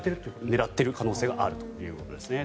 狙っている可能性があるということですね。